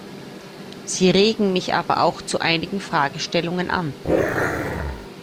Sie regen mich aber auch zu einigen Fragestellungen an.